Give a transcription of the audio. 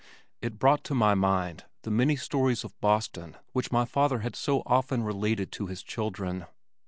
It brought to my mind the many stories of Boston which my father had so often related to his children.